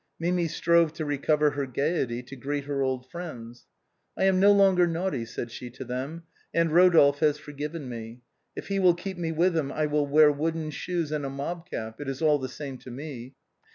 Mi mi strove to recover her gaiety to greet her old friends. " I am no longer naughty," said she to them, " and Rodolphe has forgiven me. If he will keep me with him I will wear wooden shoes and a mob cap, it is all the same to me.